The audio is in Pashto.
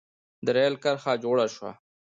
د رېل کرښه جوړه شوه.